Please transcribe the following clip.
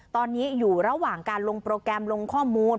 ตอนนี้อยู่ระหว่างการลงโปรแกรมลงข้อมูล